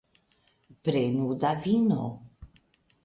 Prenu da vino.